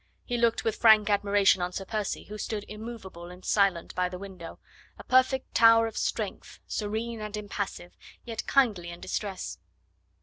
He looked with frank admiration on Sir Percy, who stood immovable and silent by the window a perfect tower of strength, serene and impassive, yet kindly in distress.